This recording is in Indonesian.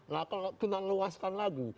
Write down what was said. nah kalau kita luaskan lagi